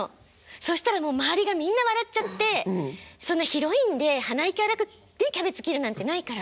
そしたらもう周りがみんな笑っちゃってそんなヒロインで鼻息荒くキャベツ切るなんてないから。